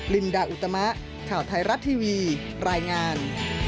ลินดาอุตมะข่าวไทยรัฐทีวีรายงาน